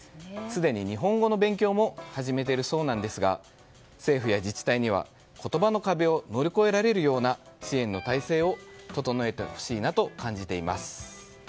すでに日本語の勉強も始めているそうですが政府や自治体には言葉の壁を乗り越えられるような支援の体制を整えてほしいと感じています。